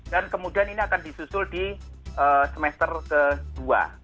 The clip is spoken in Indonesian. dan kemudian ini akan disusul di semester kedua